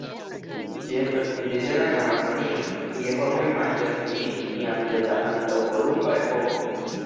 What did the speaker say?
Ĝi estas indiĝena en Amazonio, kie homoj manĝas ĝin jam de la antaŭkolumba epoko.